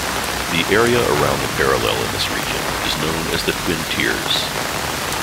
The area around the parallel in this region is known as the Twin Tiers.